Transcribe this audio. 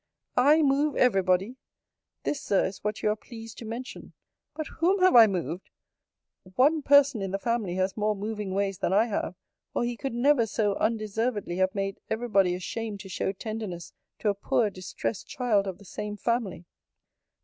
I move every body! This, Sir, is what you are pleased to mention. But whom have I moved? One person in the family has more moving ways than I have, or he could never so undeservedly have made every body ashamed to show tenderness to a poor distressed child of the same family.